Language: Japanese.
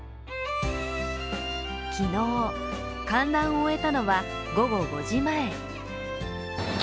昨日、観覧を終えたのは午後５時前。